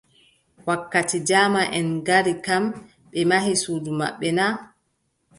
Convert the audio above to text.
Wakkati jaamaʼen ngari kam, ɓe mahi suudu maɓɓe na ?